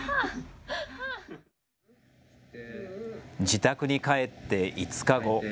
自宅に帰って５日後。